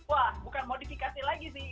wah bukan modifikasi lagi sih